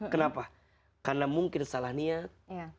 kenapa karena mungkin salah niat